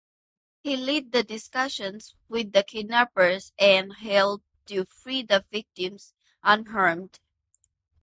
He led the discussions with the kidnappers and helped to free the victims unharmed.